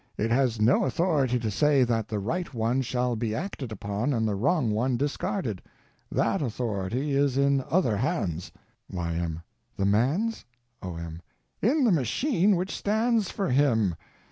It has no authority to say that the right one shall be acted upon and the wrong one discarded. That authority is in other hands. Y.M. The man's? O.M. In the machine which stands for him.